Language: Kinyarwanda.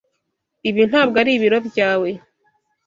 Ibi ntabwo ari biro byawe.